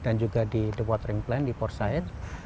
dan juga di the watering plant di port said